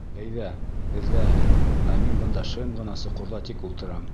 Әйҙә, эҙләһен, ә мин бында шым ғына соҡорҙа тик ултырам.